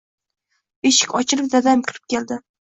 Eshik ochilib dadam kirib keldi.